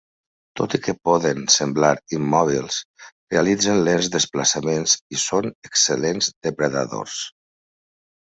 Tot i que poden semblar immòbils, realitzen lents desplaçaments i són excel·lents depredadors.